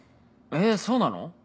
えそうなの？